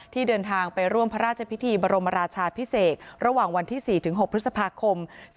เดินทางไปร่วมพระราชพิธีบรมราชาพิเศษระหว่างวันที่๔๖พฤษภาคม๒๕๖